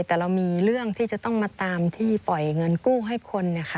แต่เรามีเรื่องที่จะต้องมาตามที่ปล่อยเงินกู้ให้คน